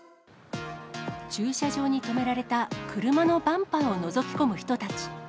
駐車場に止められた車のバンパーをのぞき込む人たち。